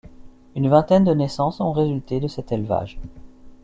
Une vingtaine de naissances ont résulté de cet élevage.